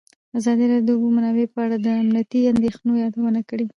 ازادي راډیو د د اوبو منابع په اړه د امنیتي اندېښنو یادونه کړې.